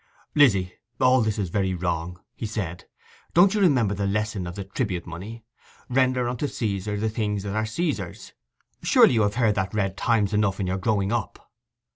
'Lizzy, all this is very wrong,' he said. 'Don't you remember the lesson of the tribute money? "Render unto Caesar the things that are Caesar's." Surely you have heard that read times enough in your growing up?